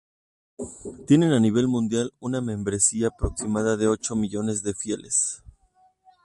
Tienen a nivel mundial una membresía aproximada de Ocho millones de fieles.